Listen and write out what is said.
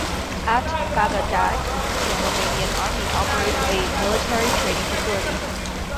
At Babadag, the Romanian Army operates a military training facility.